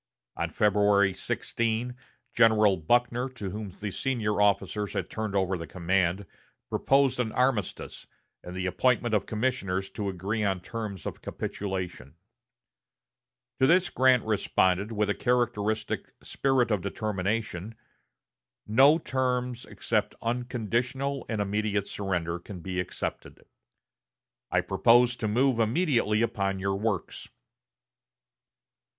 On February 16, General Buckner, to whom the senior officers had turned over the command, proposed an armistice, and the appointment of commissioners to agree on terms of capitulation. To this Grant responded with a characteristic spirit of determination: "No terms except unconditional and immediate surrender can be accepted. I propose to move immediately upon your works."